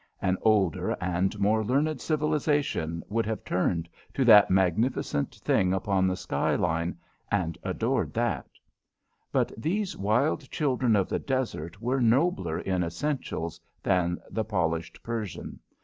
An older and more learned civilisation would have turned to that magnificent thing upon the skyline and adored that. But these wild children of the desert were nobler in essentials than the polished Persian.